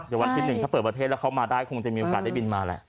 เดี๋ยววันที่๑ถ้าเปิดประเทศแล้วเขามาได้คงจะมีโอกาสได้บินมาแหละ